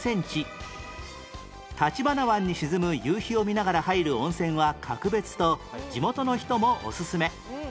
橘湾に沈む夕日を見ながら入る温泉は格別と地元の人もおすすめ